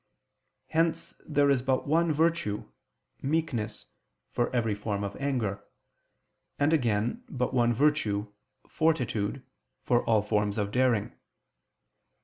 Hence there is but one virtue, meekness, for every form of anger; and, again, but one virtue, fortitude, for all forms of daring.